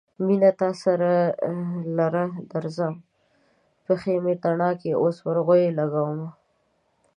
مينه تا لره درځمه : پښې مې تڼاکې اوس ورغوي لګومه